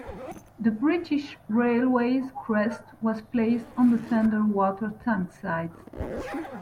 The British Railways crest was placed on the tender water tank sides.